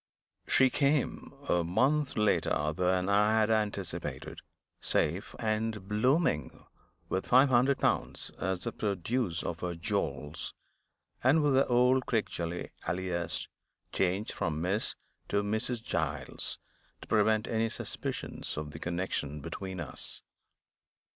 She came, a month later than I had anticipated; safe and blooming, with five hundred pounds as the produce of her jewels, and with the old Crickgelly alias (changed from Miss to Mrs. Giles), to prevent any suspicions of the connection between us.